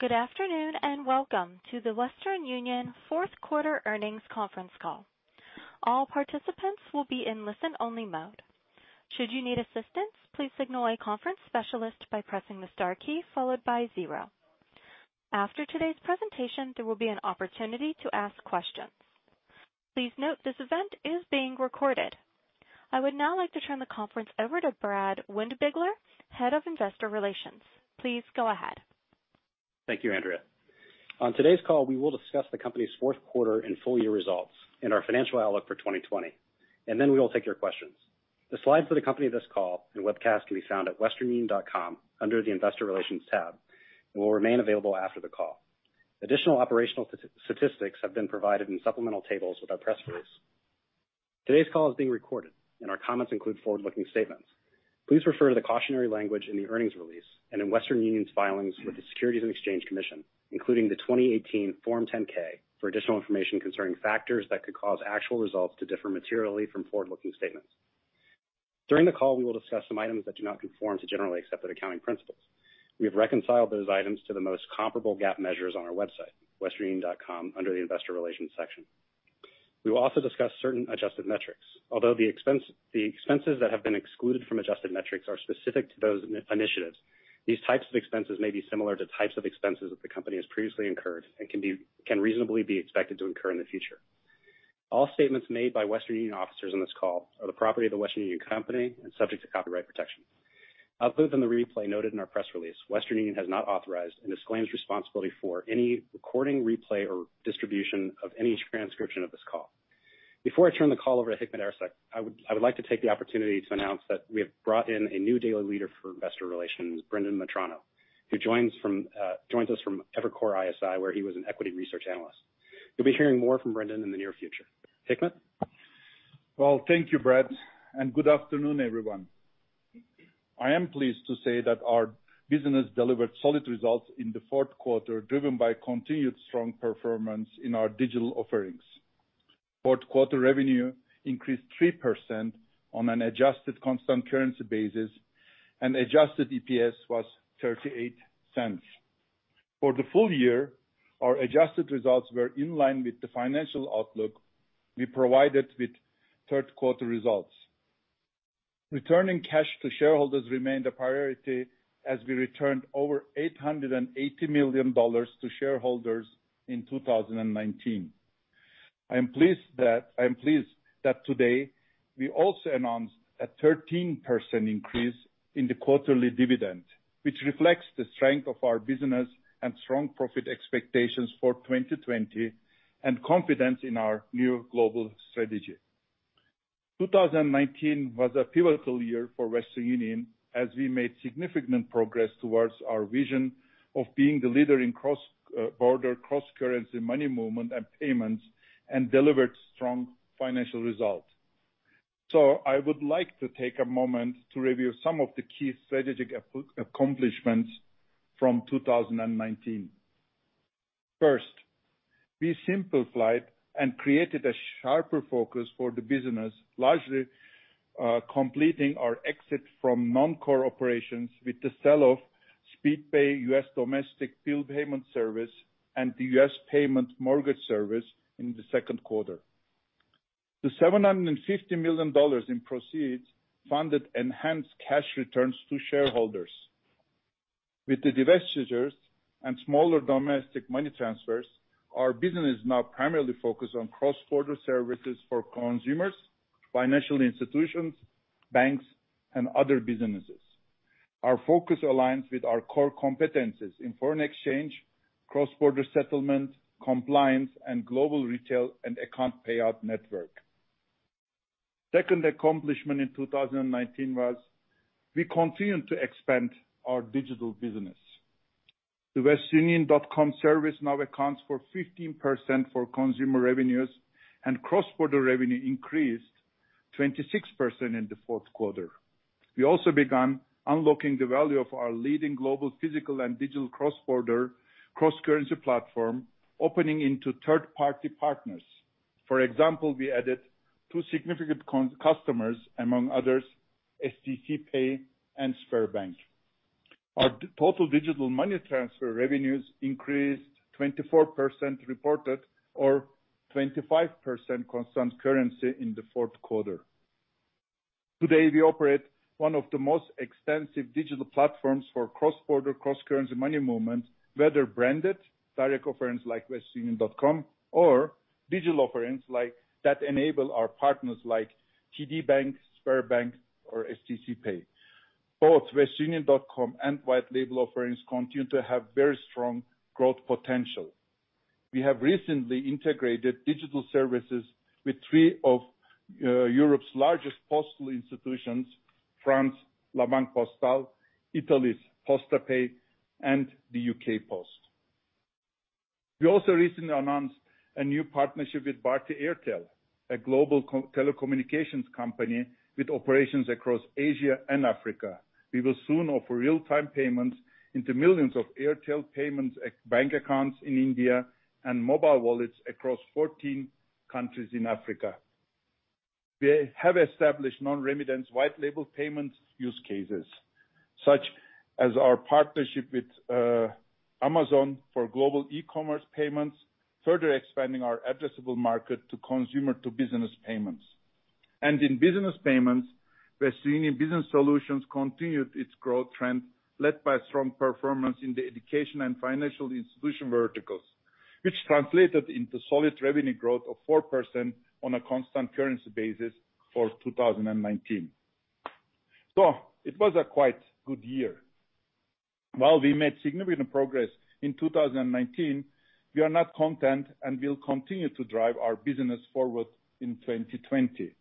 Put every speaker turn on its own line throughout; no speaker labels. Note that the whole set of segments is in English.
Good afternoon, and welcome to the Western Union fourth quarter earnings conference call. All participants will be in listen-only mode. Should you need assistance, please signal a conference specialist by pressing the star key followed by zero. After today's presentation, there will be an opportunity to ask questions. Please note this event is being recorded. I would now like to turn the conference over to Brad Windbigler, Head of Investor Relations. Please go ahead.
Thank you, Andrea. On today's call, we will discuss the company's fourth quarter and full-year results and our financial outlook for 2020, and then we will take your questions. The slides that accompany this call and webcast can be found at westernunion.com under the Investor Relations tab and will remain available after the call. Additional operational statistics have been provided in supplemental tables with our press release. Today's call is being recorded, and our comments include forward-looking statements. Please refer to the cautionary language in the earnings release and in Western Union's filings with the Securities and Exchange Commission, including the 2018 Form 10-K, for additional information concerning factors that could cause actual results to differ materially from forward-looking statements. During the call, we will discuss some items that do not conform to generally accepted accounting principles. We have reconciled those items to the most comparable GAAP measures on our website, westernunion.com, under the Investor Relations section. We will also discuss certain adjusted metrics. Although the expenses that have been excluded from adjusted metrics are specific to those initiatives, these types of expenses may be similar to types of expenses that the company has previously incurred and can reasonably be expected to incur in the future. All statements made by Western Union officers on this call are the property of The Western Union Company and subject to copyright protection. Other than the replay noted in our press release, Western Union has not authorized and disclaims responsibility for any recording, replay, or distribution of any transcription of this call. Before I turn the call over to Hikmet Ersek, I would like to take the opportunity to announce that we have brought in a new dedicated leader for investor relations, Brendan Metrano, who joins us from Evercore ISI, where he was an equity research analyst. You'll be hearing more from Brendan in the near future. Hikmet?
Well, thank you, Brad, and good afternoon, everyone. I am pleased to say that our business delivered solid results in the fourth quarter, driven by continued strong performance in our digital offerings. Fourth quarter revenue increased three percent on an adjusted constant currency basis, and adjusted EPS was $0.38. For the full year, our adjusted results were in line with the financial outlook we provided with third-quarter results. Returning cash to shareholders remained a priority as we returned over $880 million to shareholders in 2019. I am pleased that today we also announced a 13% increase in the quarterly dividend, which reflects the strength of our business and strong profit expectations for 2020 and confidence in our new global strategy. 2019 was a pivotal year for Western Union as we made significant progress towards our vision of being the leader in cross-border, cross-currency money movement and payments and delivered strong financial results. I would like to take a moment to review some of the key strategic accomplishments from 2019. First, we simplified and created a sharper focus for the business, largely completing our exit from non-core operations with the sell-off of Speedpay U.S. domestic bill payment service and the U.S. Paymap Mortgage service in the second quarter. The $750 million in proceeds funded enhanced cash returns to shareholders. With the divestitures and smaller domestic money transfers, our business is now primarily focused on cross-border services for consumers, financial institutions, banks, and other businesses. Our focus aligns with our core competencies in foreign exchange, cross-border settlement, compliance, and global retail and account payout network. Second accomplishment in 2019 was we continued to expand our digital business. The westernunion.com service now accounts for 15% for consumer revenues, and cross-border revenue increased 26% in the fourth quarter. We also began unlocking the value of our leading global physical and digital cross-border, cross-currency platform, opening into third-party partners. For example, we added two significant customers, among others, stc pay and Sberbank. Our total digital money transfer revenues increased 24% reported or 25% constant currency in the fourth quarter. Today, we operate one of the most extensive digital platforms for cross-border, cross-currency money movement, whether branded direct offerings like westernunion.com or digital offerings that enable our partners like TD Bank, Sberbank, or stc pay. Both westernunion.com and white label offerings continue to have very strong growth potential. We have recently integrated digital services with three of Europe's largest postal institutions, France La Banque Postale, Italy's Postepay, and the U.K. Post Office. We also recently announced a new partnership with Bharti Airtel, a global telecommunications company with operations across Asia and Africa. We will soon offer real-time payments into millions of Airtel payments bank accounts in India and mobile wallets across 14 countries in Africa. We have established non-remittance white label payments use cases, such as our partnership with Amazon for global e-commerce payments, further expanding our addressable market to consumer-to-business payments. In business payments, Western Union Business Solutions continued its growth trend, led by strong performance in the education and financial institution verticals, which translated into solid revenue growth of four percent on a constant currency basis for 2019. It was a quite good year. While we made significant progress in 2019, we are not content, and we'll continue to drive our business forward in 2020.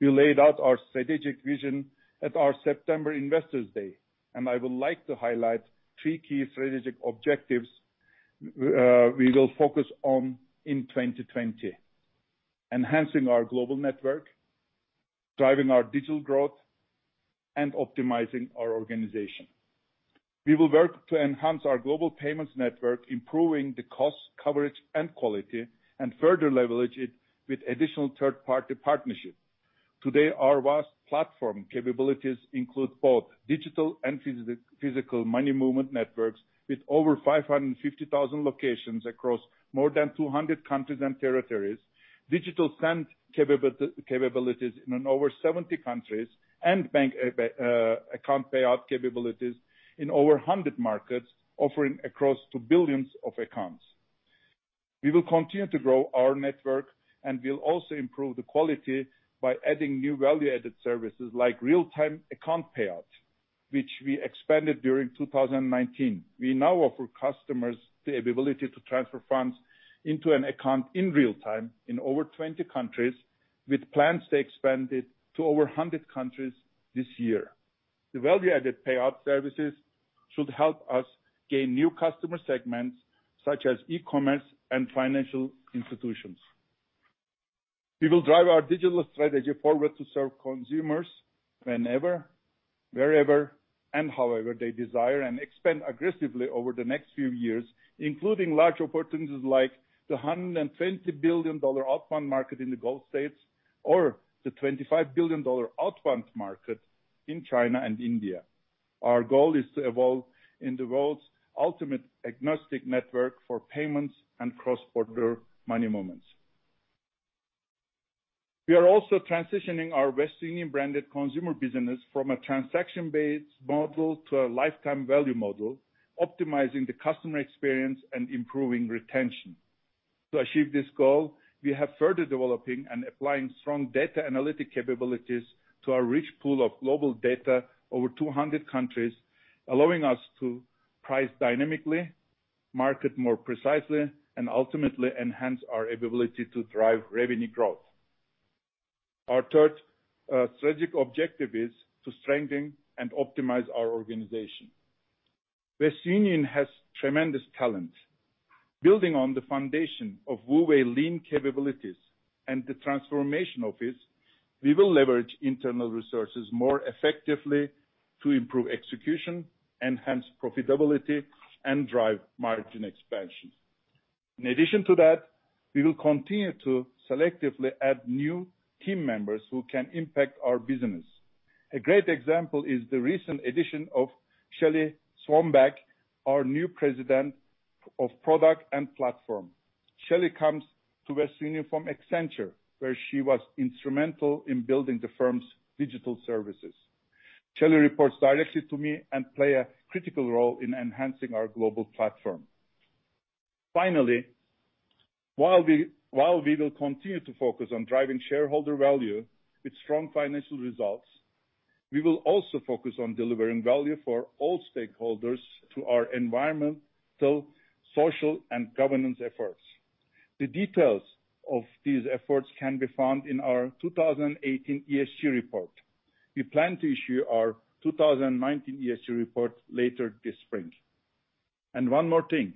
We laid out our strategic vision at our September Investor Day. I would like to highlight three key strategic objectives we will focus on in 2020: enhancing our global network, driving our digital growth, and optimizing our organization. We will work to enhance our global payments network, improving the cost coverage and quality, and further leverage it with additional third-party partnerships. Today, our vast platform capabilities include both digital and physical money movement networks, with over 550,000 locations across more than 200 countries and territories, digital send capabilities in over 70 countries, and bank account payout capabilities in over 100 markets, offering access to billions of accounts. We will continue to grow our network, and we'll also improve the quality by adding new value-added services like real-time account payout, which we expanded during 2019. We now offer customers the ability to transfer funds into an account in real time in over 20 countries, with plans to expand it to over 100 countries this year. The value-added payout services should help us gain new customer segments, such as e-commerce and financial institutions. We will drive our digital strategy forward to serve consumers whenever, wherever, and however they desire, and expand aggressively over the next few years, including large opportunities like the $120 billion outbound market in the Gulf States or the $25 billion outbound market in China and India. Our goal is to evolve in the world's ultimate agnostic network for payments and cross-border money movements. We are also transitioning our Western Union branded consumer business from a transaction-based model to a lifetime value model, optimizing the customer experience and improving retention. To achieve this goal, we have further developing and applying strong data analytic capabilities to our rich pool of global data over 200 countries, allowing us to price dynamically, market more precisely, and ultimately enhance our ability to drive revenue growth. Our third strategic objective is to strengthen and optimize our organization. Western Union has tremendous talent. Building on the foundation of WU Way lean capabilities and the transformation office, we will leverage internal resources more effectively to improve execution, enhance profitability, and drive margin expansion. In addition to that, we will continue to selectively add new team members who can impact our business. A great example is the recent addition of Shelly Swanback, our new President of Product and Platform. Shelly comes to Western Union from Accenture, where she was instrumental in building the firm's digital services. Shelly reports directly to me and play a critical role in enhancing our global platform. Finally, while we will continue to focus on driving shareholder value with strong financial results, we will also focus on delivering value for all stakeholders through our environmental, social, and governance efforts. The details of these efforts can be found in our 2018 ESG report. We plan to issue our 2019 ESG report later this spring. One more thing.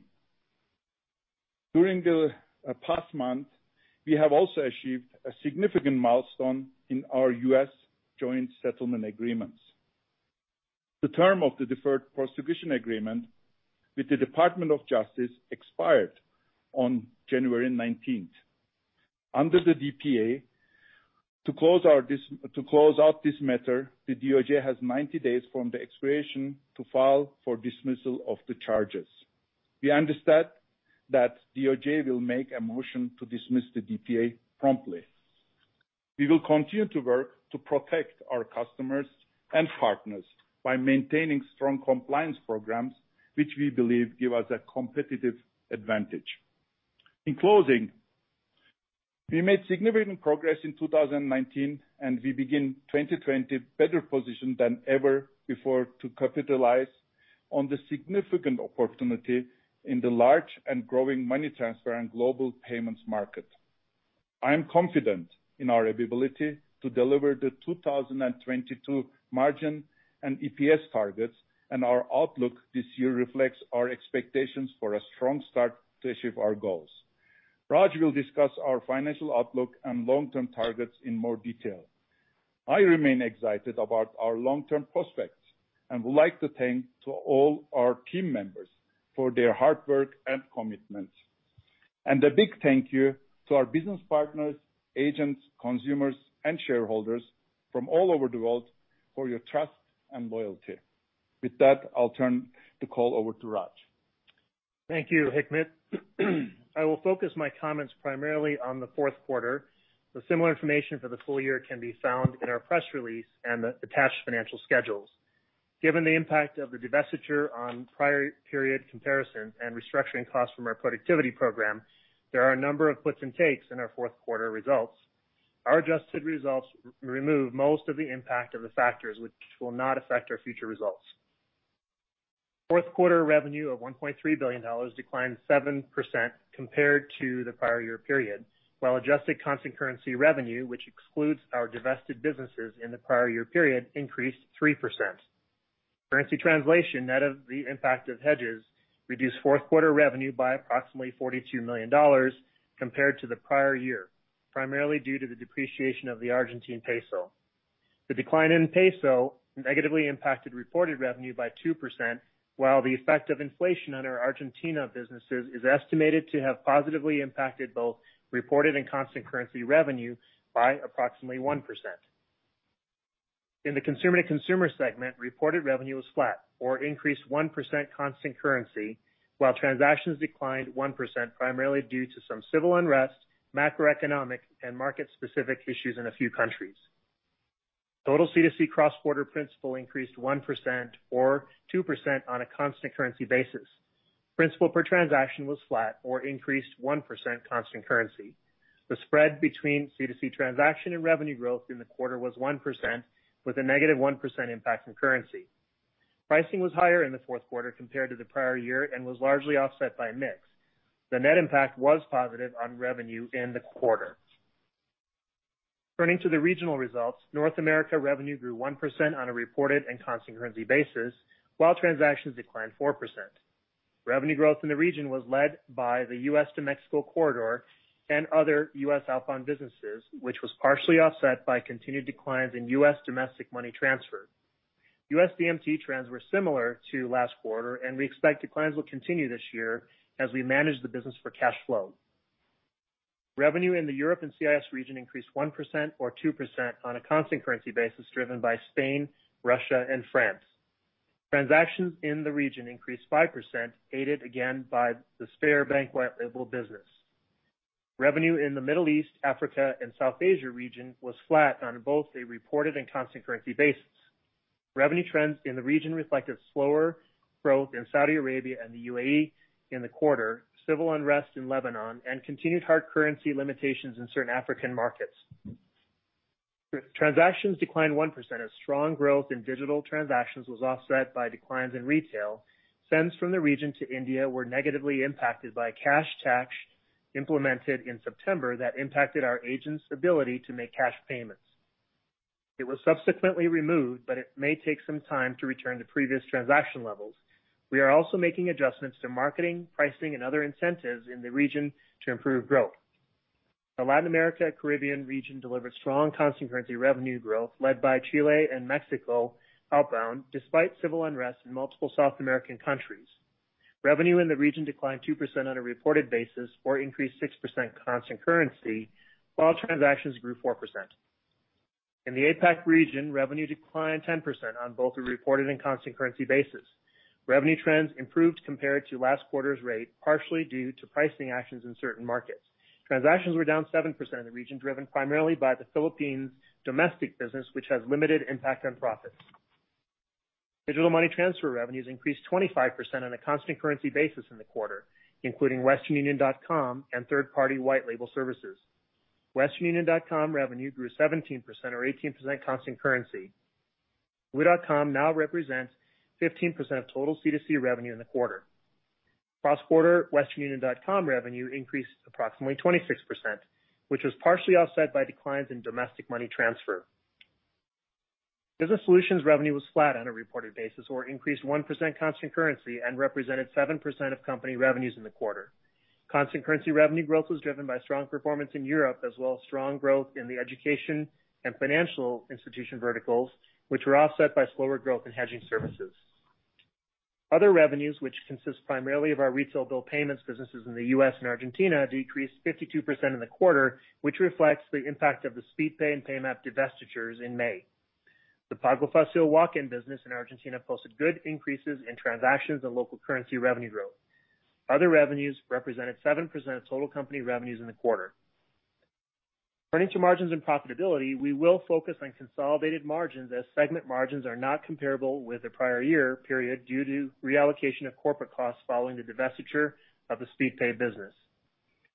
During the past month, we have also achieved a significant milestone in our U.S. joint settlement agreements. The term of the deferred prosecution agreement with the Department of Justice expired on January 19th. Under the DPA, to close out this matter, the DOJ has 90 days from the expiration to file for dismissal of the charges. We understand that DOJ will make a motion to dismiss the DPA promptly. We will continue to work to protect our customers and partners by maintaining strong compliance programs, which we believe give us a competitive advantage. In closing, we made significant progress in 2019, and we begin 2020 better positioned than ever before to capitalize on the significant opportunity in the large and growing money transfer and global payments market. I am confident in our ability to deliver the 2022 margin and EPS targets, and our outlook this year reflects our expectations for a strong start to achieve our goals. Raj will discuss our financial outlook and long-term targets in more detail. I remain excited about our long-term prospects and would like to thank all our team members for their hard work and commitment. A big thank you to our business partners, agents, consumers, and shareholders from all over the world for your trust and loyalty. With that, I'll turn the call over to Raj.
Thank you, Hikmet. I will focus my comments primarily on the fourth quarter. The similar information for the full year can be found in our press release and the attached financial schedules. Given the impact of the divestiture on prior period comparison and restructuring costs from our productivity program, there are a number of gives and takes in our fourth quarter results. Our adjusted results remove most of the impact of the factors which will not affect our future results. Fourth quarter revenue of $1.3 billion declined seven percent compared to the prior year period, while adjusted constant currency revenue, which excludes our divested businesses in the prior year period, increased three percent. Currency translation, net of the impact of hedges, reduced fourth quarter revenue by approximately $42 million compared to the prior year, primarily due to the depreciation of the Argentine peso. The decline in peso negatively impacted reported revenue by two percent, while the effect of inflation on our Argentina businesses is estimated to have positively impacted both reported and constant currency revenue by approximately one percent. In the Consumer-to-Consumer segment, reported revenue was flat or increased one percent constant currency, while transactions declined one percent, primarily due to some civil unrest, macroeconomic and market-specific issues in a few countries. Total C2C cross-border principal increased 1% or 2% on a constant currency basis. Principal per transaction was flat or increased 1% constant currency. The spread between C2C transaction and revenue growth in the quarter was 1%, with a negative 1% impact from currency. Pricing was higher in the fourth quarter compared to the prior year and was largely offset by mix. The net impact was positive on revenue in the quarter. Turning to the regional results, North America revenue grew one percent on a reported and constant currency basis, while transactions declined four percent. Revenue growth in the region was led by the U.S. to Mexico corridor and other U.S. outbound businesses, which was partially offset by continued declines in U.S. Domestic Money Transfer. USDMT trends were similar to last quarter, and we expect declines will continue this year as we manage the business for cash flow. Revenue in the Europe and CIS region increased one percent or two percent on a constant currency basis, driven by Spain, Russia, and France. Transactions in the region increased five percent, aided again by the Sberbank white label business. Revenue in the Middle East, Africa, and South Asia region was flat on both a reported and constant currency basis. Revenue trends in the region reflected slower growth in Saudi Arabia and the UAE in the quarter, civil unrest in Lebanon, and continued hard currency limitations in certain African markets. Transactions declined one percent as strong growth in digital transactions was offset by declines in retail. Sends from the region to India were negatively impacted by a cash tax implemented in September that impacted our agents' ability to make cash payments. It was subsequently removed, but it may take some time to return to previous transaction levels. We are also making adjustments to marketing, pricing, and other incentives in the region to improve growth. The Latin America Caribbean region delivered strong constant currency revenue growth led by Chile and Mexico outbound, despite civil unrest in multiple South American countries. Revenue in the region declined two percent on a reported basis or increased six percent constant currency, while transactions grew four percent. In the APAC region, revenue declined 10% on both a reported and constant currency basis. Revenue trends improved compared to last quarter's rate, partially due to pricing actions in certain markets. Transactions were down seven percent in the region, driven primarily by the Philippines domestic business, which has limited impact on profits. Digital money transfer revenues increased 25% on a constant currency basis in the quarter, including westernunion.com and third-party white label services. westernunion.com revenue grew 17% or 18% constant currency. wu.com now represents 15% of total C2C revenue in the quarter. Cross-border westernunion.com revenue increased approximately 26%, which was partially offset by declines in domestic money transfer. Business solutions revenue was flat on a reported basis or increased one percent constant currency and represented seven percent of company revenues in the quarter. Constant currency revenue growth was driven by strong performance in Europe as well as strong growth in the education and financial institution verticals, which were offset by slower growth in hedging services. Other revenues, which consist primarily of our retail bill payments businesses in the U.S. and Argentina, decreased 52% in the quarter, which reflects the impact of the Speedpay and Paymap divestitures in May. The Pago Fácil walk-in business in Argentina posted good increases in transactions and local currency revenue growth. Other revenues represented seven percent of total company revenues in the quarter. Turning to margins and profitability, we will focus on consolidated margins as segment margins are not comparable with the prior year period due to reallocation of corporate costs following the divestiture of the Speedpay business.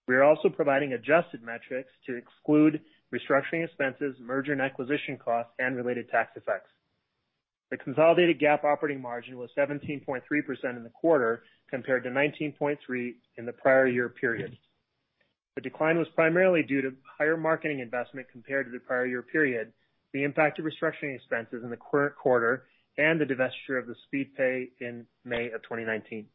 We are also providing adjusted metrics to exclude restructuring expenses, merger and acquisition costs, and related tax effects. The consolidated GAAP operating margin was 17.3% in the quarter, compared to 19.3% in the prior year period. The decline was primarily due to higher marketing investment compared to the prior year period, the impact of restructuring expenses in the current quarter, and the divestiture of the Speedpay in May of 2019.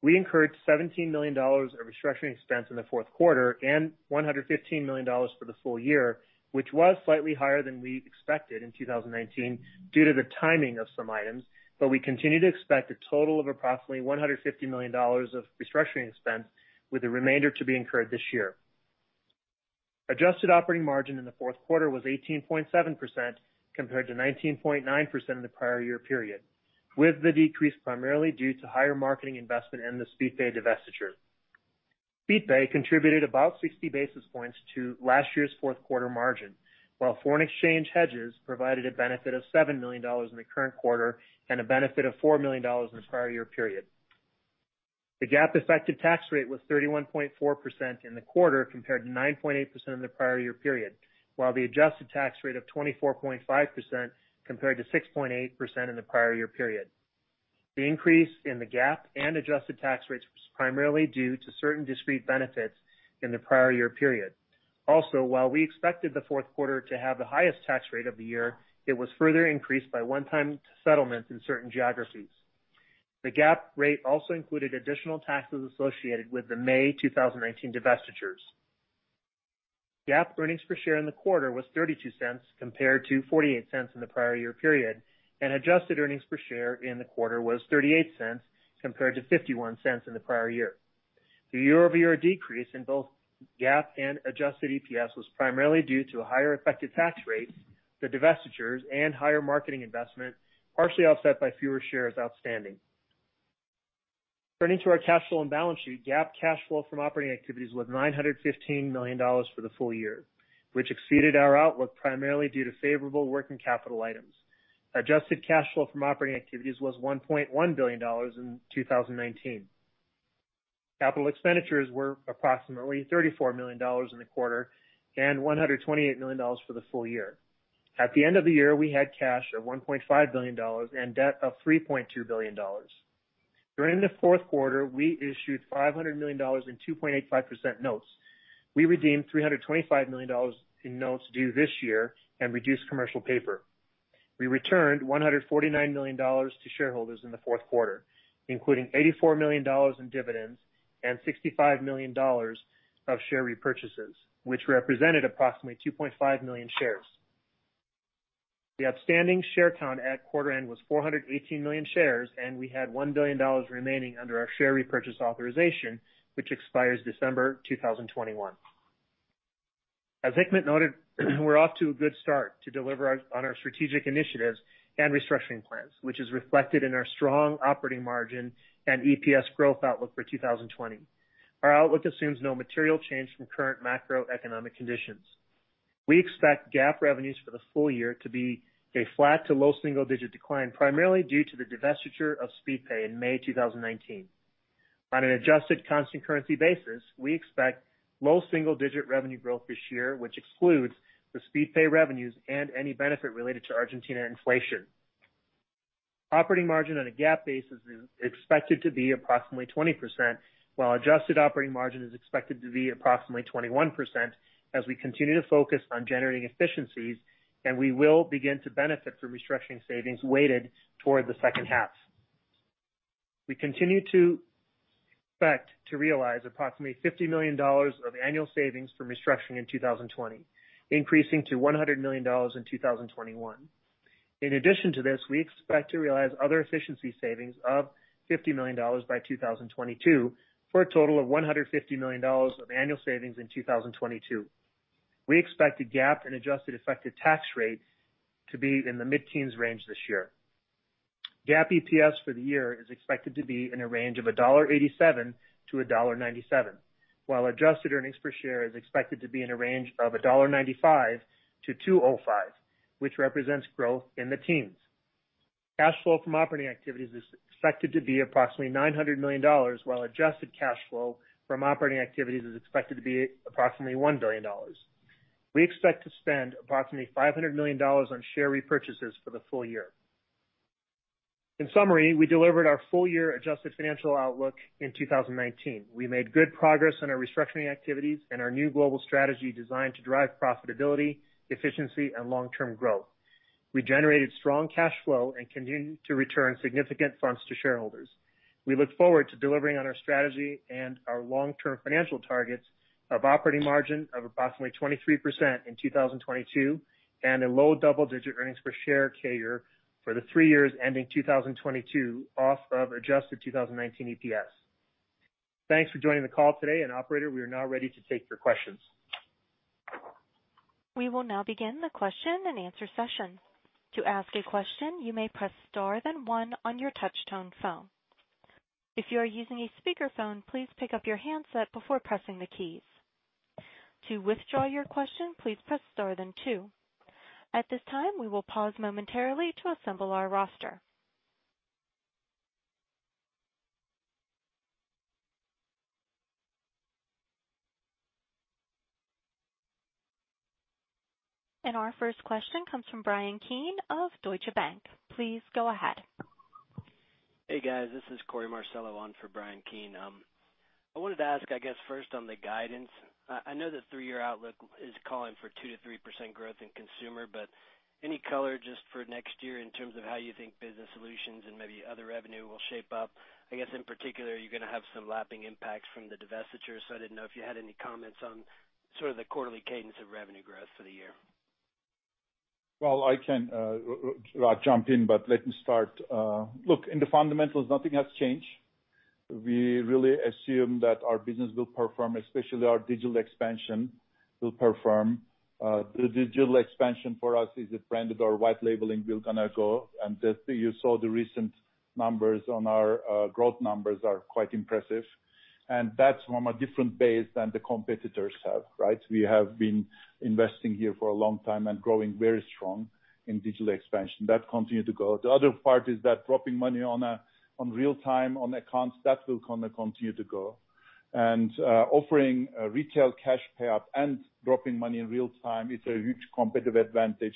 We incurred $17 million of restructuring expense in the fourth quarter and $115 million for the full year, which was slightly higher than we expected in 2019 due to the timing of some items, but we continue to expect a total of approximately $150 million of restructuring expense, with the remainder to be incurred this year. Adjusted operating margin in the fourth quarter was 18.7% compared to 19.9% in the prior year period, with the decrease primarily due to higher marketing investment and the Speedpay divestiture. Speedpay contributed about 60 basis points to last year's fourth quarter margin, while foreign exchange hedges provided a benefit of $7 million in the current quarter and a benefit of $4 million in the prior year period. The GAAP effective tax rate was 31.4% in the quarter compared to nine point eight percent in the prior year period, while the adjusted tax rate of 24.5% compared to six point eight percent in the prior year period. The increase in the GAAP and adjusted tax rates was primarily due to certain discrete benefits in the prior year period. While we expected the fourth quarter to have the highest tax rate of the year, it was further increased by one-time settlements in certain geographies. The GAAP rate also included additional taxes associated with the May 2019 divestitures. GAAP earnings per share in the quarter was $0.32 compared to $0.48 in the prior year period. Adjusted earnings per share in the quarter was $0.38 compared to $0.51 in the prior year. The year-over-year decrease in both GAAP and adjusted EPS was primarily due to a higher effective tax rate, the divestitures, and higher marketing investment, partially offset by fewer shares outstanding. Turning to our cash flow and balance sheet, GAAP cash flow from operating activities was $915 million for the full year, which exceeded our outlook primarily due to favorable working capital items. Adjusted cash flow from operating activities was $1.1 billion in 2019. Capital expenditures were approximately $34 million in the quarter and $128 million for the full year. At the end of the year, we had cash of $1.5 billion and debt of $3.2 billion. During the fourth quarter, we issued $500 million in two point eight five percent notes. We redeemed $325 million in notes due this year and reduced commercial paper. We returned $149 million to shareholders in the fourth quarter, including $84 million in dividends and $65 million of share repurchases, which represented approximately 2.5 million shares. The outstanding share count at quarter end was 418 million shares, and we had $1 billion remaining under our share repurchase authorization, which expires December 2021. As Hikmet noted, we're off to a good start to deliver on our strategic initiatives and restructuring plans, which is reflected in our strong operating margin and EPS growth outlook for 2020. Our outlook assumes no material change from current macroeconomic conditions. We expect GAAP revenues for the full year to be a flat to low single-digit decline, primarily due to the divestiture of Speedpay in May 2019. On an adjusted constant currency basis, we expect low double-digit revenue growth this year, which excludes the Speedpay revenues and any benefit related to Argentina inflation. Operating margin on a GAAP basis is expected to be approximately 20%, while adjusted operating margin is expected to be approximately 21% as we continue to focus on generating efficiencies and we will begin to benefit from restructuring savings weighted toward the second half. We continue to expect to realize approximately $50 million of annual savings from restructuring in 2020, increasing to $100 million in 2021. In addition to this, we expect to realize other efficiency savings of $50 million by 2022 for a total of $150 million of annual savings in 2022. We expect the GAAP and adjusted effective tax rate to be in the mid-teens range this year. GAAP EPS for the year is expected to be in a range of $1.87 to $1.97, while adjusted earnings per share is expected to be in a range of $1.95 to $2.05, which represents growth in the teens. Cash flow from operating activities is expected to be approximately $900 million, while adjusted cash flow from operating activities is expected to be approximately $1 billion. We expect to spend approximately $500 million on share repurchases for the full year. In summary, we delivered our full-year adjusted financial outlook in 2019. We made good progress on our restructuring activities and our new global strategy designed to drive profitability, efficiency and long-term growth. We generated strong cash flow and continue to return significant funds to shareholders. We look forward to delivering on our strategy and our long-term financial targets of operating margin of approximately 23% in 2022 and a low double-digit earnings per share CAGR for the three years ending 2022 off of adjusted 2019 EPS. Thanks for joining the call today, and operator, we are now ready to take your questions.
We will now begin the question-and-answer session. To ask a question, you may press star then one on your touch tone phone. If you are using a speakerphone, please pick up your handset before pressing the keys. To withdraw your question, please press star then two. At this time, we will pause momentarily to assemble our roster. Our first question comes from Bryan Keane of Deutsche Bank. Please go ahead.
Hey, guys. This is Korey Marcello on for Bryan Keane. I wanted to ask, I guess, first on the guidance. I know the three-year outlook is calling for two, three percent growth in consumer, but any color just for next year in terms of how you think Business Solutions and maybe other revenue will shape up? I guess in particular, you're going to have some lapping impacts from the divestiture, so I didn't know if you had any comments on sort of the quarterly cadence of revenue growth for the year.
Well, I can jump in, but let me start. Look, in the fundamentals, nothing has changed. We really assume that our business will perform, especially our digital expansion will perform. The digital expansion for us is a branded or white labeling. We're going to go, and you saw the recent numbers on our growth numbers are quite impressive, and that's from a different base than the competitors have, right? We have been investing here for a long time and growing very strong in digital expansion. That continued to go. The other part is that dropping money on real time on accounts, that will continue to go. Offering retail cash pay up and dropping money in real time is a huge competitive advantage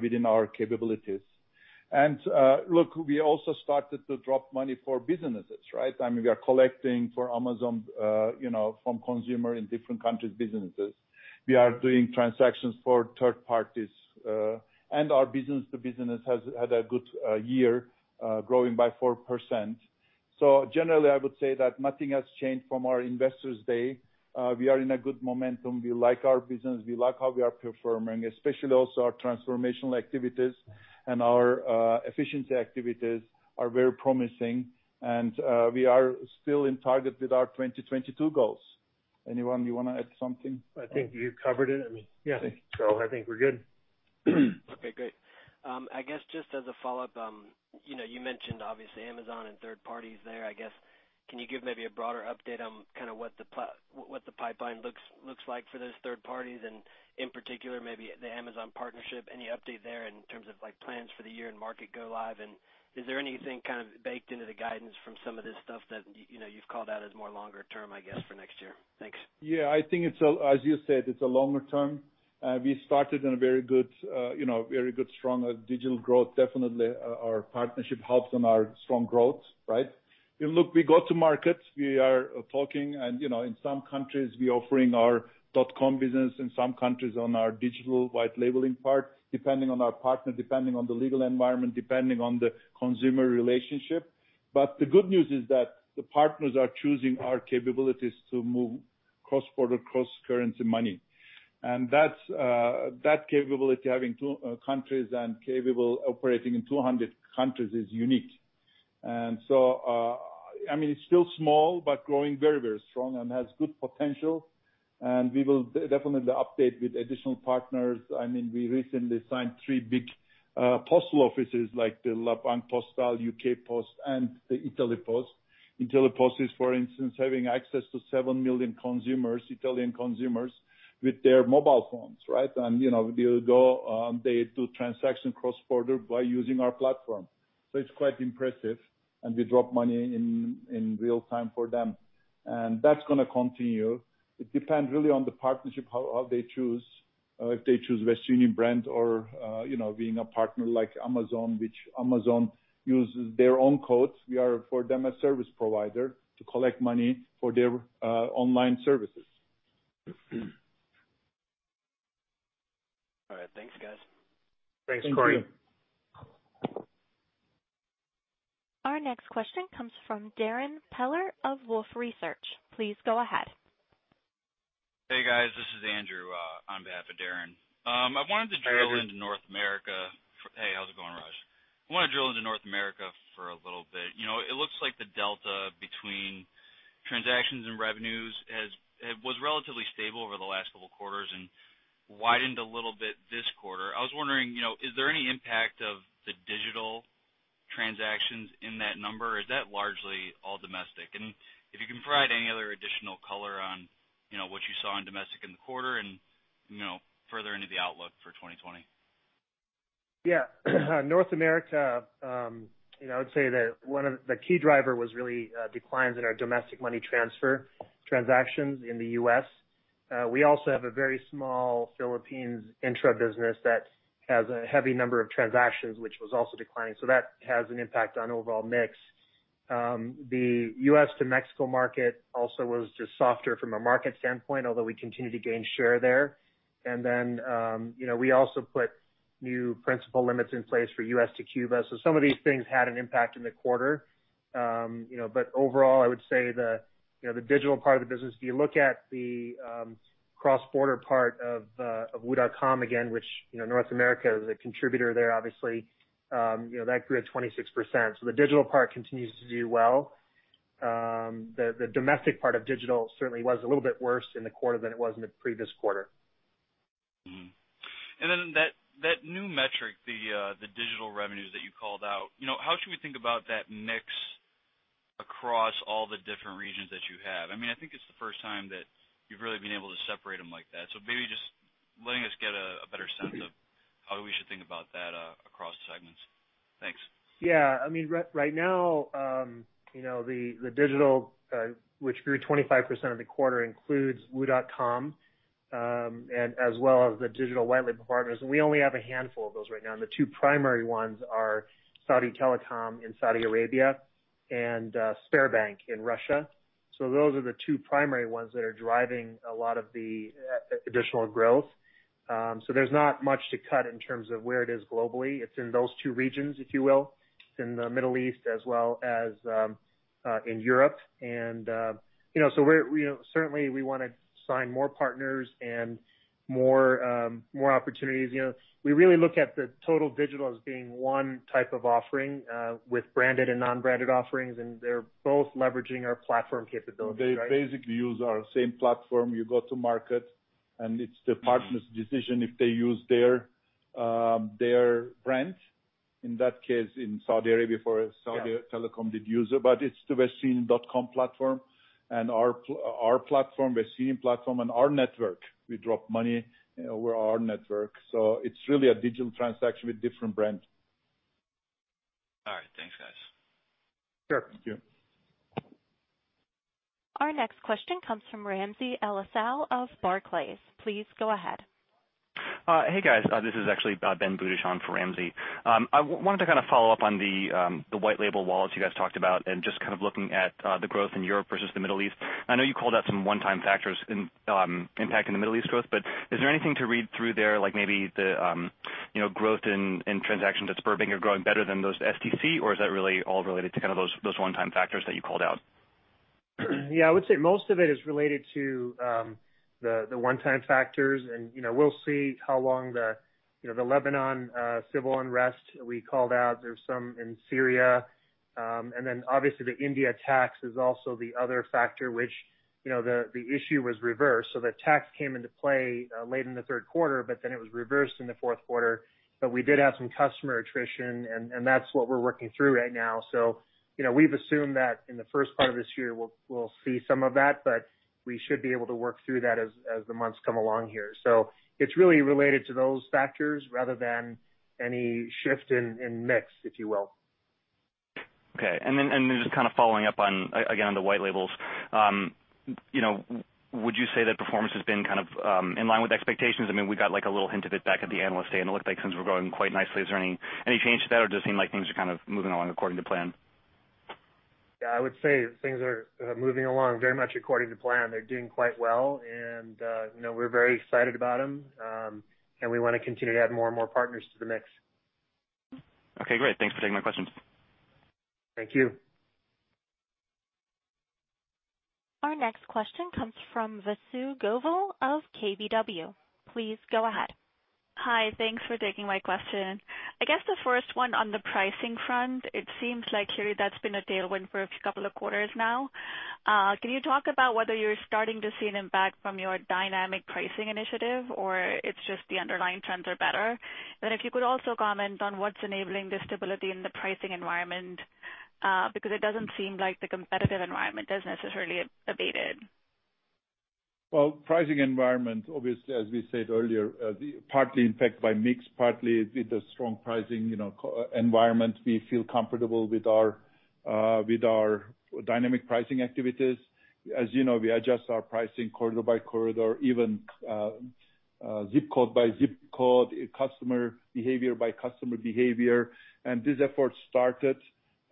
within our capabilities. Look, we also started to drop money for businesses, right? I mean, we are collecting for Amazon from consumer in different countries, businesses. We are doing transactions for third parties. Our business-to-business has had a good year growing by four percent. Generally, I would say that nothing has changed from our Investor Day. We are in a good momentum. We like our business. We like how we are performing, especially also our transformational activities and our efficiency activities are very promising. We are still in target with our 2022 goals. Anyone you want to add something?
I think you covered it.
Yeah.
I think we're good.
Okay, great. I guess just as a follow-up, you mentioned obviously Amazon and third parties there. I guess, can you give maybe a broader update on what the pipeline looks like for those third parties, and in particular, maybe the Amazon partnership, any update there in terms of plans for the year and market go live? Is there anything kind of baked into the guidance from some of this stuff that you've called out as more longer term, I guess, for next year? Thanks.
Yeah, I think as you said, it's a longer term. We started in a very good, strong digital growth. Definitely our partnership helps on our strong growth, right? Look, we go to markets. We are talking and in some countries, we're offering our wu.com business, in some countries on our digital white-labeling part, depending on our partner, depending on the legal environment, depending on the consumer relationship. The good news is that the partners are choosing our capabilities to move cross-border, cross-currency money. That capability, having two countries and capable operating in 200 countries is unique. It's still small, but growing very strong and has good potential. We will definitely update with additional partners. I mean, we recently signed three big postal offices like the La Poste, Post Office, and the Poste Italiane. Poste Italiane is, for instance, having access to seven million consumers, Italian consumers, with their mobile phones, right? They do transaction cross-border by using our platform. It's quite impressive, and we drop money in real time for them. That's going to continue. It depends really on the partnership how they choose. If they choose Western Union brand or being a partner like Amazon, which Amazon uses their own codes. We are for them a service provider to collect money for their online services.
All right. Thanks, guys.
Thanks, Korey.
Thank you.
Our next question comes from Darrin Peller of Wolfe Research. Please go ahead.
Hey, guys. This is Andrew on behalf of Darrin.
Hi, Andrew.
Into North America. Hey, how's it going, Raj? I want to drill into North America for a little bit. It looks like the delta between transactions and revenues was relatively stable over the last couple of quarters and widened a little bit this quarter. I was wondering, is there any impact of the digital transactions in that number? Is that largely all domestic? If you can provide any other additional color on what you saw on domestic in the quarter and further into the outlook for 2020.
North America, I would say that one of the key driver was really declines in our domestic money transfer transactions in the U.S. We also have a very small Philippines intra business that has a heavy number of transactions, which was also declining. That has an impact on overall mix. The U.S. to Mexico market also was just softer from a market standpoint, although we continue to gain share there. We also put new principal limits in place for U.S. to Cuba. Some of these things had an impact in the quarter. Overall, I would say the digital part of the business, if you look at the cross-border part of wu.com again, which North America is a contributor there, obviously, that grew at 26%. The digital part continues to do well. The domestic part of digital certainly was a little bit worse in the quarter than it was in the previous quarter.
Then that new metric, the digital revenues that you called out, how should we think about that mix across all the different regions that you have? I mean, I think it's the first time that you've really been able to separate them like that. Maybe just letting us get a better sense of how we should think about that across segments. Thanks.
I mean, right now the digital, which grew 25% of the quarter, includes wu.com, as well as the digital white label partners, and we only have a handful of those right now, and the two primary ones are Saudi Telecom in Saudi Arabia and Sberbank in Russia. Those are the two primary ones that are driving a lot of the additional growth. There's not much to cut in terms of where it is globally. It's in those two regions, if you will, it's in the Middle East as well as in Europe. Certainly, we want to sign more partners and more opportunities. We really look at the total digital as being one type of offering with branded and non-branded offerings, and they're both leveraging our platform capabilities, right.
They basically use our same platform. You go to market, and it's the partner's decision if they use their brand. In that case, in Saudi Arabia, for Saudi Telecom did use it, but it's the westernunion.com platform and our platform, Western Union platform, and our network. We drop money over our network. It's really a digital transaction with different brand.
All right, thanks, guys.
Sure.
Our next question comes from Ramsey El-Assal of Barclays. Please go ahead.
Hey, guys. This is actually Benjamin Budish on for Ramzi. I wanted to follow up on the white label wallets you guys talked about and just looking at the growth in Europe versus the Middle East. I know you called out some one-time factors impacting the Middle East growth, but is there anything to read through there, like maybe the growth in transactions at Sberbank are growing better than those STC, or is that really all related to those one-time factors that you called out?
I would say most of it is related to the one-time factors, and we'll see how long the Lebanon civil unrest we called out. There's some in Syria. Obviously the India tax is also the other factor, which the issue was reversed. The tax came into play late in the third quarter, but then it was reversed in the fourth quarter. We did have some customer attrition, and that's what we're working through right now. We've assumed that in the first part of this year, we'll see some of that, but we should be able to work through that as the months come along here. It's really related to those factors rather than any shift in mix, if you will.
Okay. Just following up again on the white labels. Would you say that performance has been in line with expectations? We got a little hint of it back at the Investor Day, and it looked like things were going quite nicely. Is there any change to that, or does it seem like things are moving along according to plan?
Yeah, I would say things are moving along very much according to plan. They're doing quite well, and we're very excited about them. We want to continue to add more and more partners to the mix.
Okay, great. Thanks for taking my questions.
Thank you.
Our next question comes from Vasundhara Govil of KBW. Please go ahead.
Hi. Thanks for taking my question. I guess the first one on the pricing front, it seems like, Hikmet, that's been a tailwind for a couple of quarters now. Can you talk about whether you're starting to see an impact from your Dynamic Pricing Initiative, or it's just the underlying trends are better? If you could also comment on what's enabling the stability in the pricing environment, because it doesn't seem like the competitive environment has necessarily abated.
Well, pricing environment, obviously, as we said earlier, partly impacted by mix, partly with the strong pricing environment. We feel comfortable with our dynamic pricing activities. As you know, we adjust our pricing corridor by corridor, even zip code by zip code, customer behavior by customer behavior. This effort started,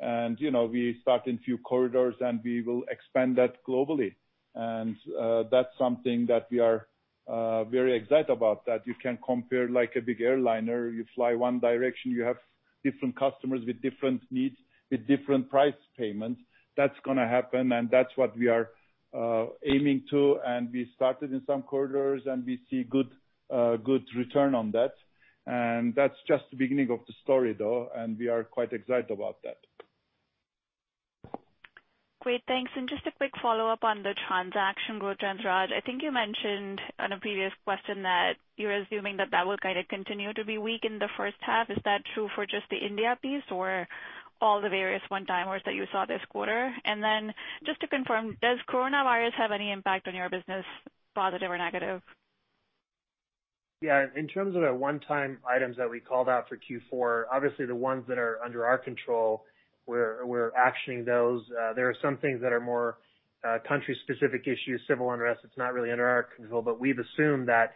and we start in few corridors, and we will expand that globally. That's something that we are very excited about, that you can compare like a big airliner. You fly one direction, you have different customers with different needs, with different price payments. That's going to happen, and that's what we are aiming to, and we started in some corridors, and we see good return on that. That's just the beginning of the story, though, and we are quite excited about that.
Great, thanks. Just a quick follow-up on the transaction growth trends, Raj. I think you mentioned on a previous question that you're assuming that that will continue to be weak in the first half. Is that true for just the India piece or all the various one-timers that you saw this quarter? Just to confirm, does coronavirus have any impact on your business, positive or negative?
In terms of the one-time items that we called out for Q4, obviously the ones that are under our control, we're actioning those. There are some things that are more country-specific issues, civil unrest, it's not really under our control. We've assumed that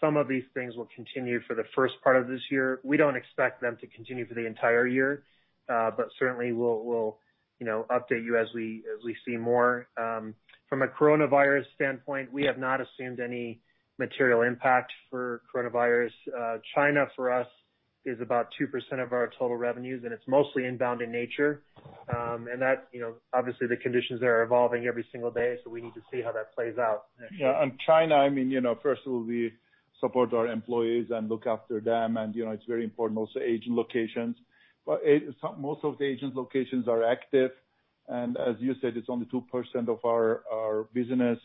some of these things will continue for the first part of this year. We don't expect them to continue for the entire year. Certainly, we'll update you as we see more. From a coronavirus standpoint, we have not assumed any material impact for coronavirus. China, for us, is about two percent of our total revenues, and it's mostly inbound in nature. Obviously, the conditions there are evolving every single day, we need to see how that plays out.
Yeah, on China, first of all, we support our employees and look after them, and it's very important. Also agent locations. Most of the agent locations are active, and as you said, it's only two percent of our business.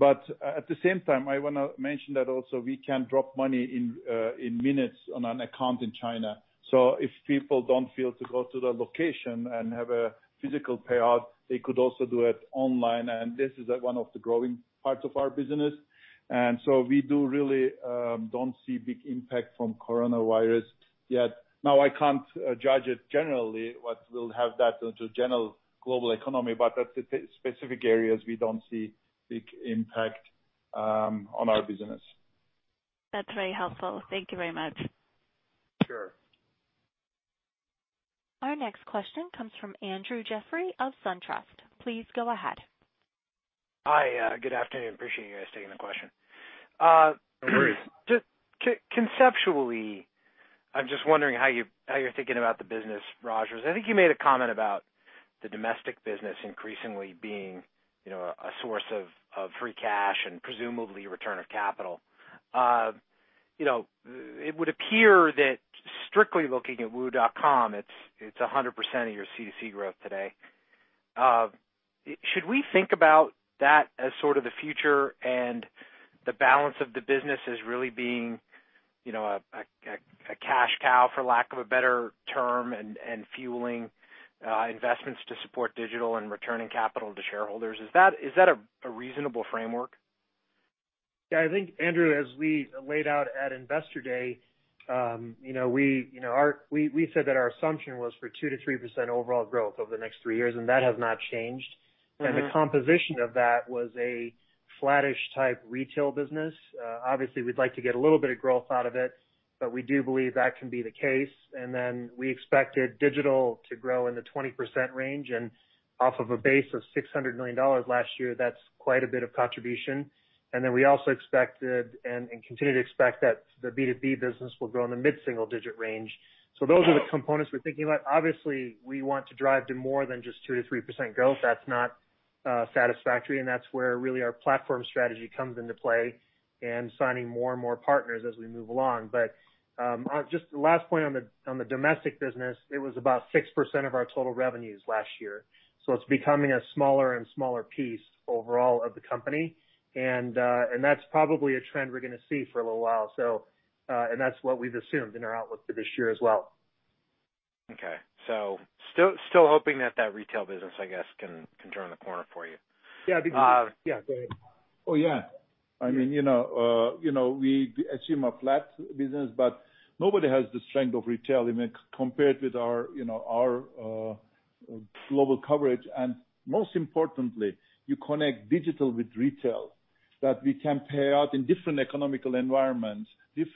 At the same time, I want to mention that also we can drop money in minutes on an account in China. If people don't feel to go to the location and have a physical payout, they could also do it online, and this is one of the growing parts of our business. We do really don't see big impact from coronavirus yet. Now, I can't judge it generally what will have that on to general global economy, but at specific areas, we don't see big impact on our business.
That's very helpful. Thank you very much.
Our next question comes from Andrew Jeffrey of SunTrust. Please go ahead.
Hi. Good afternoon. Appreciate you guys taking the question.
Agreed.
Conceptually, I'm just wondering how you're thinking about the business, Raj. I think you made a comment about the domestic business increasingly being a source of free cash and presumably return of capital. It would appear that strictly looking at wu.com, it's 100% of your C2C growth today. Should we think about that as sort of the future and the balance of the business as really being a cash cow, for lack of a better term, and fueling investments to support digital and returning capital to shareholders? Is that a reasonable framework?
Yeah, I think, Andrew, as we laid out at Investor Day, we said that our assumption was for two to three percent overall growth over the next three years, and that has not changed. The composition of that was a flattish type retail business. Obviously, we'd like to get a little bit of growth out of it, but we do believe that can be the case. We expected digital to grow in the 20% range and off of a base of $600 million last year, that's quite a bit of contribution. We also expected and continue to expect that the B2B business will grow in the mid-single digit range. Those are the components we're thinking about. Obviously, we want to drive to more than just two to three percent growth. That's not satisfactory, and that's where really our platform strategy comes into play and signing more and more partners as we move along. Just last point on the domestic business, it was about six percent of our total revenues last year, so it's becoming a smaller and smaller piece overall of the company. That's probably a trend we're going to see for a little while. That's what we've assumed in our outlook for this year as well.
Okay. Still hoping that that retail business, I guess, can turn the corner for you.
Yeah. Go ahead.
Oh, yeah. We assume a flat business. Nobody has the strength of retail compared with our global coverage. Most importantly, you connect digital with retail, that we can pay out in different economical environments. We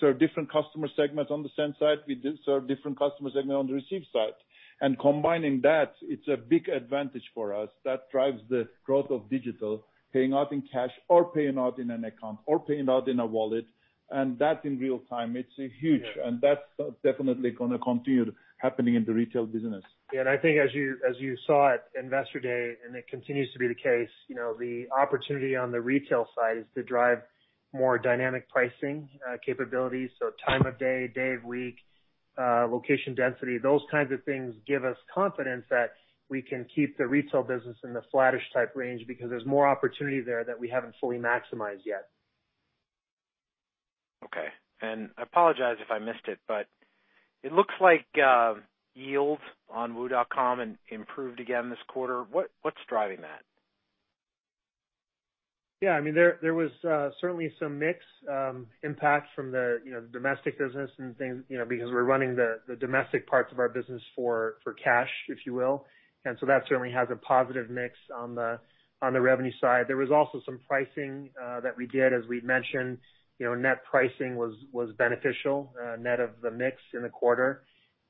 serve different customer segments on the send side. We serve different customer segments on the receive side. Combining that, it's a big advantage for us that drives the growth of digital, paying out in cash or paying out in an account or paying out in a wallet, and that in real time. It's huge. That's definitely going to continue happening in the retail business.
I think as you saw at Investor Day, it continues to be the case, the opportunity on the retail side is to drive more dynamic pricing capabilities. Time of day of week, location density, those kinds of things give us confidence that we can keep the retail business in the flattish type range because there's more opportunity there that we haven't fully maximized yet.
Okay. I apologize if I missed it, but it looks like yields on wu.com improved again this quarter. What's driving that?
Yeah, there was certainly some mix impact from the domestic business and things because we're running the domestic parts of our business for cash, if you will. That certainly has a positive mix on the revenue side. There was also some pricing that we did. As we mentioned, net pricing was beneficial, net of the mix in the quarter.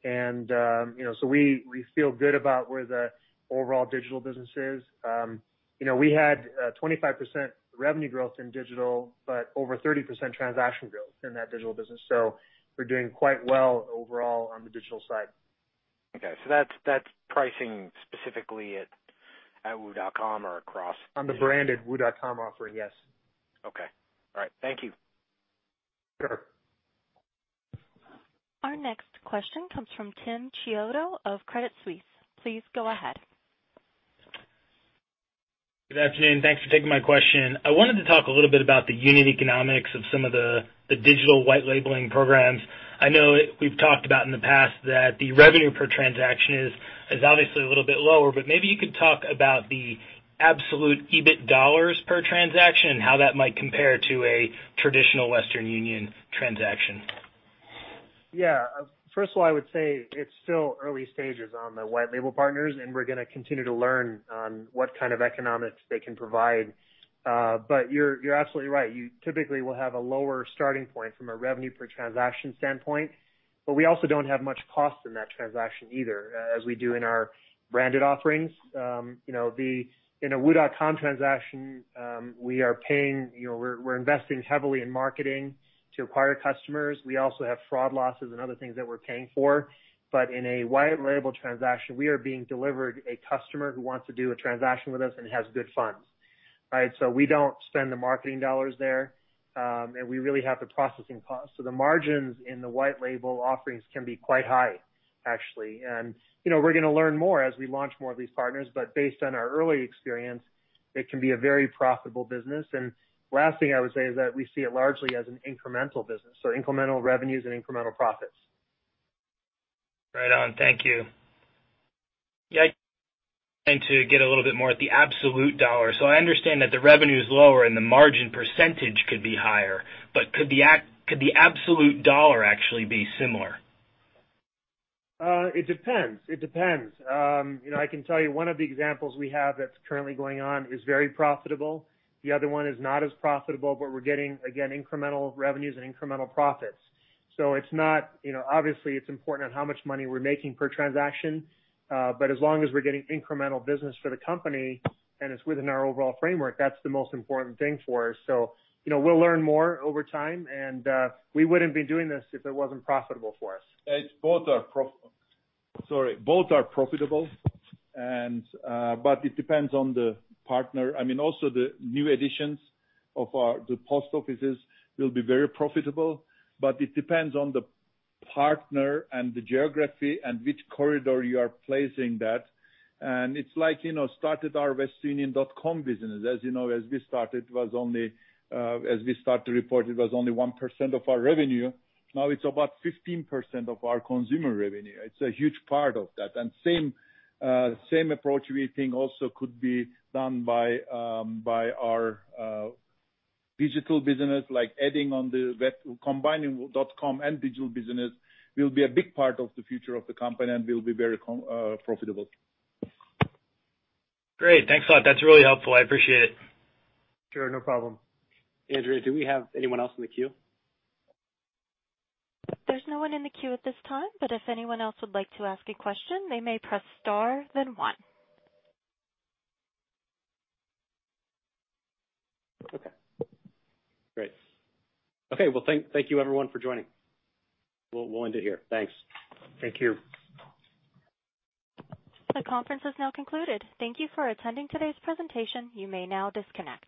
We feel good about where the overall digital business is. We had 25% revenue growth in digital, but over 30% transaction growth in that digital business. We're doing quite well overall on the digital side.
That's pricing specifically at wu.com or across?
On the branded wu.com offering, yes.
Okay. All right. Thank you.
Sure.
Our next question comes from Timothy Chiodo of Credit Suisse. Please go ahead.
Good afternoon. Thanks for taking my question. I wanted to talk a little bit about the unit economics of some of the digital white labeling programs. I know we've talked about in the past that the revenue per transaction is obviously a little bit lower, but maybe you could talk about the absolute EBIT dollars per transaction and how that might compare to a traditional Western Union transaction.
Yeah. First of all, I would say it's still early stages on the white label partners. We're going to continue to learn on what kind of economics they can provide. You're absolutely right. You typically will have a lower starting point from a revenue per transaction standpoint. We also don't have much cost in that transaction either, as we do in our branded offerings. In a wu.com transaction, we're investing heavily in marketing to acquire customers. We also have fraud losses and other things that we're paying for. In a white label transaction, we are being delivered a customer who wants to do a transaction with us and has good funds. We don't spend the marketing dollars there, and we really have the processing cost. The margins in the white label offerings can be quite high, actually. We're going to learn more as we launch more of these partners, but based on our early experience, it can be a very profitable business. Last thing I would say is that we see it largely as an incremental business, so incremental revenues and incremental profits.
Right on. Thank you. I'm trying to get a little bit more at the absolute dollar. I understand that the revenue is lower and the margin percentage could be higher, but could the absolute dollar actually be similar?
It depends. I can tell you one of the examples we have that's currently going on is very profitable. The other one is not as profitable, but we're getting, again, incremental revenues and incremental profits. Obviously, it's important on how much money we're making per transaction, but as long as we're getting incremental business for the company and it's within our overall framework, that's the most important thing for us. We'll learn more over time, and we wouldn't be doing this if it wasn't profitable for us.
Both are profitable, it depends on the partner. Also the new additions of the post offices will be very profitable, but it depends on the partner and the geography and which corridor you are placing that. It's like started our westernunion.com business. As we start to report, it was only one percent of our revenue. Now it's about 15% of our consumer revenue. It's a huge part of that. Same approach we think also could be done by our digital business, like combining wu.com and digital business will be a big part of the future of the company and will be very profitable.
Great. Thanks a lot. That is really helpful. I appreciate it.
Sure, no problem.
Andrea, do we have anyone else in the queue?
There's no one in the queue at this time, but if anyone else would like to ask a question, they may press star then one.
Okay, great. Well, thank you everyone for joining. We'll end it here. Thanks.
Thank you.
The conference is now concluded. Thank you for attending today's presentation. You may now disconnect.